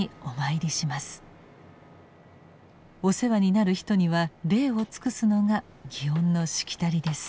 お世話になる人には礼を尽くすのが祇園のしきたりです。